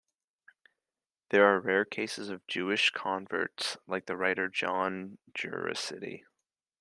There are rare cases of Jewish converts, like the writer Jon Juaristi.